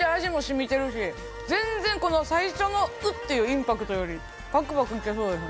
全然この最初の「うっ！」っていうインパクトよりパクパクいけそうです。